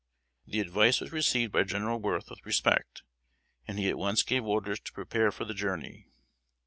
The advice was received by General Worth with respect, and he at once gave orders to prepare for the journey.